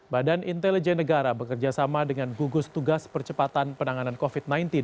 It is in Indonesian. badan intelijen negara bekerjasama dengan gugus tugas percepatan penanganan covid sembilan belas